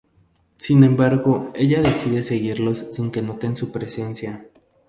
Sin embargo ella decide seguirlos sin que noten su presencia.